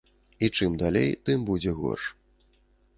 І чым далей, тым будзе горш.